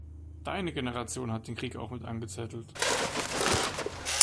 Deine Generation hat den Krieg auch mit angezettelt!